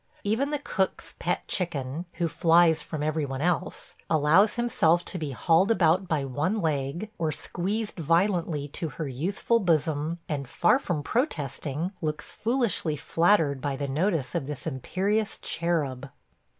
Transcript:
Even the cook's pet chicken, who flies from every one else, allows himself to be hauled about by one leg or squeezed violently to her youthful bosom, and, far from protesting, looks foolishly flattered by the notice of this imperious cherub.